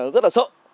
rất là sợ